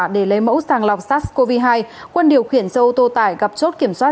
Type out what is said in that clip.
để lấy mẫu sàng lọc sars cov hai quân điều khiển châu tô tải gặp chốt kiểm soát